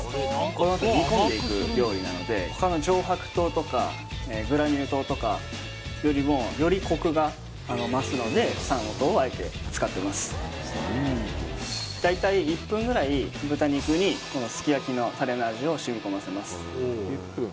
このあと煮込んでいく料理なので他の上白糖とかグラニュー糖とかよりもよりコクが増すので三温糖をあえて使ってます大体１分ぐらい豚肉にこのすき焼のたれの味を染み込ませます